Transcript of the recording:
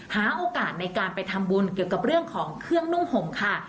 หาโอกาสที่การไปทำบุญเกี่ยวของเครื่องนุ่งหงค่ะ